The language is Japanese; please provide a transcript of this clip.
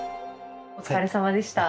お疲れさまでした。